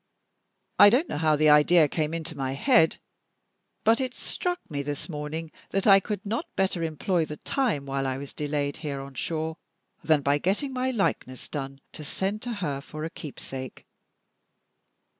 I don't know how the idea came into my head, but it struck me this morning that I could not better employ the time, while I was delayed here on shore, than by getting my likeness done to send to her as a keepsake.